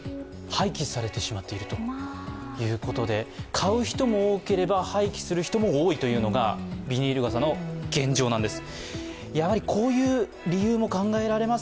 買う人も多ければ廃棄する人も多いというのがビニール傘の現状なんです。